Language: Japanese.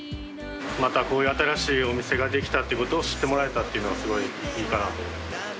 またこういう新しいお店ができたっていうことを知ってもらえたっていうのはすごいいいかなと思います。